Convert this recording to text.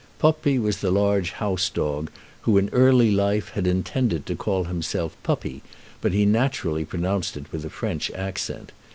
Poppi was the large house dog, who in early life had intended to call himself Puppy, but he naturally pronounced it with a French accent.